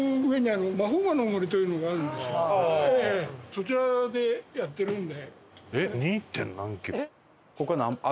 そちらでやってるんで。